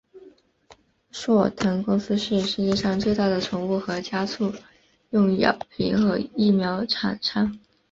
硕腾公司是世界上最大的宠物和家畜用药品和疫苗厂商。